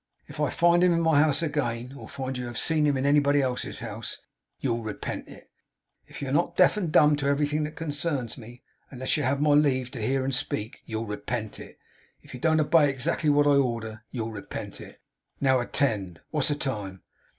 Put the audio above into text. If I find him in my house again, or find that you have seen him in anybody else's house, you'll repent it. If you are not deaf and dumb to everything that concerns me, unless you have my leave to hear and speak, you'll repent it. If you don't obey exactly what I order, you'll repent it. Now, attend. What's the time?